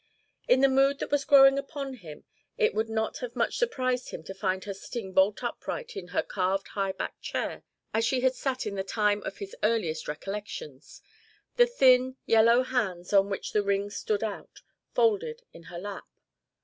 In the mood that was growing upon him, it would not have much surprised him to find her sitting bolt upright in her carved high back chair, as she had sat in the time of his earliest recollections, the thin, yellow hands, on which the rings stood out, folded in her lap.